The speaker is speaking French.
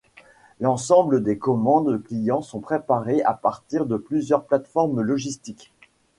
L'ensemble des commandes clients sont préparées à partir de plusieurs plateformes logistiques.